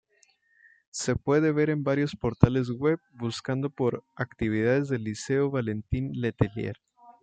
Se puede ver en varios portales web buscando por "actividades del Liceo Valentín Letelier".